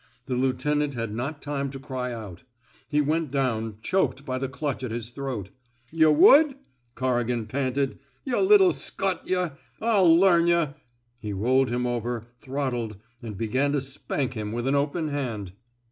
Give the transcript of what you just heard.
The lieutenant had not time to cry out. He went down, choked by the clutch at his throat. Yuh wudt " Corrigan panted. Yuh little scut, yuh! I'll learn yuh! *' He rolled him over, throt tled, and began to spank him with an open hand.